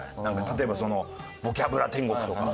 例えば『ボキャブラ天国』とか。